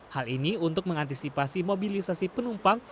hal ini untuk mengantisipasi mobilisasi penumpang